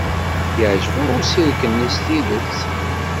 Yeɛjeb-aɣ usirk-nni s tidet.